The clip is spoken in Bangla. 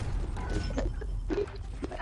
হ্যাঁ, আমি অসুস্থ ছিলাম।